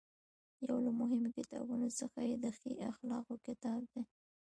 یو له مهمو کتابونو څخه یې د ښې اخلاقو کتاب دی.